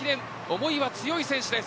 思いは強い選手です。